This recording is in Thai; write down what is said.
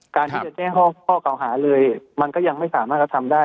การที่จะแจ้งข้อเก่าหาเลยมันก็ยังไม่สามารถกระทำได้